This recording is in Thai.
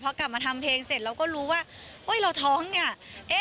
พอกลับมาทำเพลงเสร็จเราก็รู้ว่าเราท้องเนี่ย